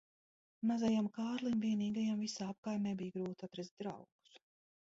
Mazajam Kārlim vienīgajam visā apkaimē bija grūti atrast draugus.